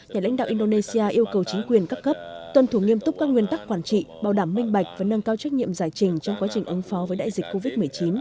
nhà lãnh đạo indonesia yêu cầu chính quyền các cấp tuân thủ nghiêm túc các nguyên tắc quản trị bảo đảm minh bạch và nâng cao trách nhiệm giải trình trong quá trình ứng phó với đại dịch covid một mươi chín